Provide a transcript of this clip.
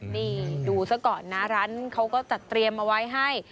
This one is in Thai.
นี่ดูซะก่อนนะร้านเขาก็จัดเตรียมเอาไว้ให้